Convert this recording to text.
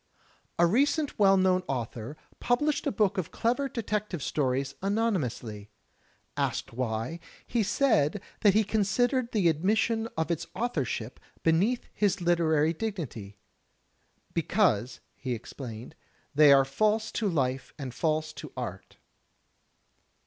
A recent well known author published a book of clever detective stories anonymously. Asked why, he said that he considered the admission of its authorship beneath his literary dignity. "Because," he explained, "they are false to life and false to art."